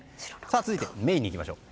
続いて、メインに行きましょう。